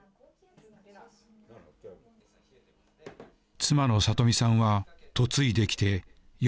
妻の里美さんは嫁いできて４９年。